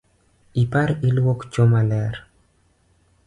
Ipar iluok cho maler.